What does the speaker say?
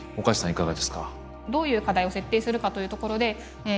いかがですか？